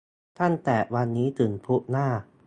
ตั้งแต่วันนี้ถึงพุธหน้า !